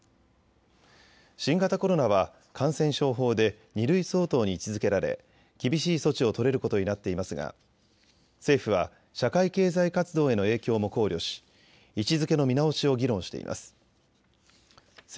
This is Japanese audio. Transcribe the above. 新型コロナは感染症法で２類相当に位置づけられ厳しい措置を取れることになっていますが政府は社会経済活動への影響も考慮し位置づけの見直しを議論しています。